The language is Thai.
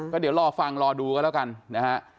ก็เดี๋ยวรอฟังรอดูกันแล้วกันนะฮะ